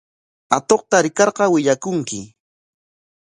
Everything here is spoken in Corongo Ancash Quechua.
Atuqta rikarqa willakunki.